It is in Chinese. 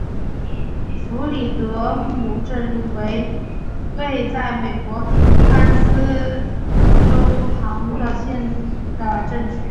弗里德姆镇区为位在美国堪萨斯州波旁县的镇区。